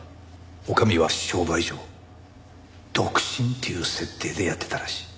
女将は商売上独身っていう設定でやってたらしい。